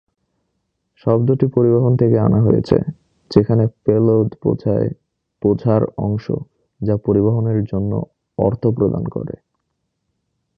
শব্দটি পরিবহন থেকে আনা হয়েছে, যেখানে পেলোড বোঝায় বোঝার অংশ যা পরিবহনের জন্য "অর্থ" প্রদান করে।